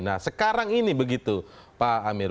nah sekarang ini begitu pak amir